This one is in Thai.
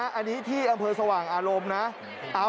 อันนี้ที่อำเภอสว่างอารมณ์นะ